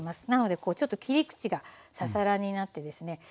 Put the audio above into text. なのでちょっと切り口がささらになってですね